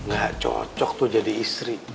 gak cocok tuh jadi istri